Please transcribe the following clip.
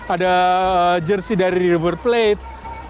ada jersi dari river plate